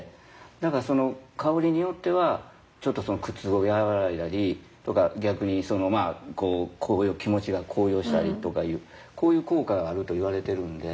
だからその香りによってはちょっとその苦痛を和らいだりとか逆にまあ気持ちが高揚したりとかいうこういう効果があるといわれてるんで。